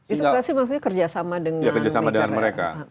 itu kasih maksudnya kerjasama dengan mereka